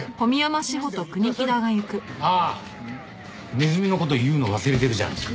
ネズミの事言うの忘れてるじゃないですか。